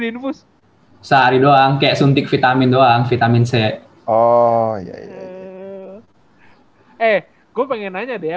infus sehari doang kek suntik vitamin doang vitamin c oh ya eh gue pengen nanya deh ya